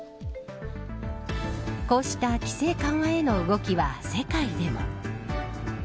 こうした規制緩和への動きは世界でも。